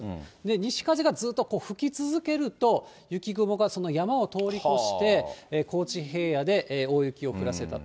西風がずっと吹き続けると、雪雲がその山を通り越して、高知平野で大雪を降らせたと。